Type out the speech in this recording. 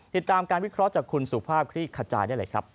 ติดตามการวิเคราะห์จากคุณสุภาพคลี่ขจายได้เลยครับ